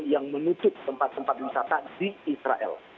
yang menutup tempat tempat wisata di israel